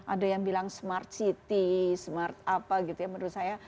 ada yang bilang smart city smart apa gitu ya menurut saya